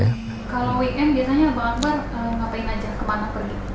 kalau weekend biasanya bang akbar ngapain aja kemana pergi